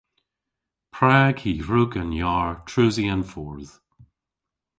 Prag y hwrug an yar treusi an fordh?